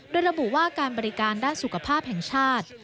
โดยระบุว่าการบริการด้านสุขภาพแห่งชาติ